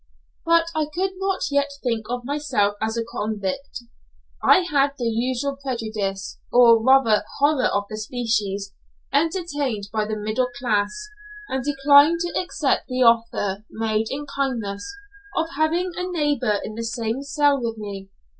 But I could not yet think of myself as a convict; I had the usual prejudice, or rather horror of the species, entertained by the middle class, and declined to accept the offer, made in kindness, of having a neighbour in the same cell with me.